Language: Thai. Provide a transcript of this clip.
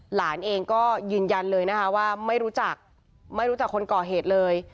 หลานเองก็ยืนยันเลยนะคะว่าไม่รู้จักไม่รู้จักคนก่อเหตุเลย